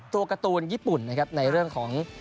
ตัวการ์ตูนญี่ปุ่นนะครับในเรื่องของ